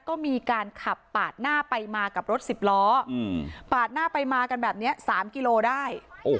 ก็มีการขับปาดหน้าไปมากับรถสิบล้อปาดหน้าไปมากันแบบนี้๓กิโลได้